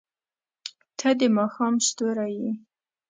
• ته د ماښام ستوری یې.